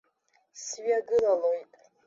Сҩагылалоит.